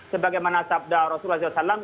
sebagaimana sabda rasulullah saw